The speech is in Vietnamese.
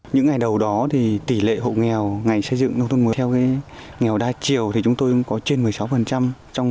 những ngày đầu đó thì tỷ lệ hộ nghèo ngày xây dựng nông thôn mới theo nghèo đa chiều thì chúng tôi cũng có trên một mươi sáu